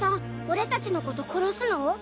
俺達のこと殺すの？